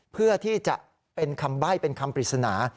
เพื่อที่จะเป็นคำใบ้เป็นคำปริศนา